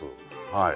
はい。